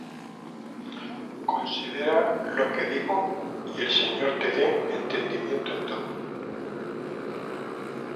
Considera lo que digo; y el Señor te dé entendimiento en todo.